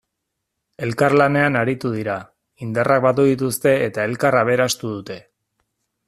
Elkarlanean aritu dira, indarrak batu dituzte eta elkar aberastu dute.